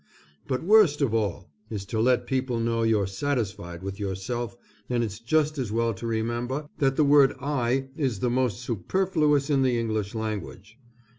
But worst of all, is to let people know you're satisfied with yourself, and it's just as well to remember that the word I is the most superfluous in the English language.